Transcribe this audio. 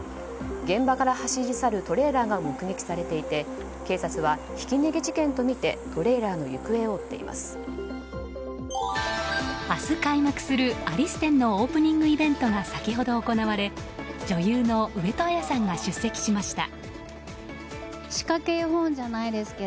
現場から走り去るトレーラーが目撃されていて警察はひき逃げ事件とみてトレーラーの行方を明日開幕するアリス展のオープニングイベントが先ほど行われ、女優の上戸彩さんが出席しました。